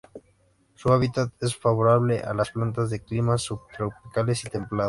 Su hábitat es favorable a las plantas de climas subtropicales y templados.